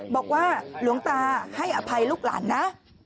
บอกว่าหลวงตาให้อภัยลูกหลานนะ